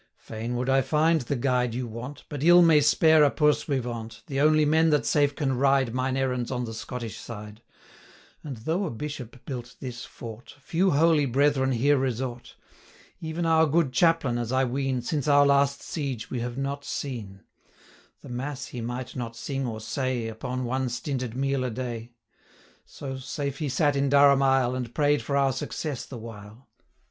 'Fain would I find the guide you want, But ill may spare a pursuivant, The only men that safe can ride 330 Mine errands on the Scottish side: And though a bishop built this fort, Few holy brethren here resort; Even our good chaplain, as I ween, Since our last siege, we have not seen: 335 The mass he might not sing or say, Upon one stinted meal a day; So, safe he sat in Durham aisle, And pray'd for our success the while.